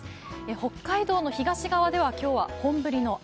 北海道の東側では今日は本降りの雨。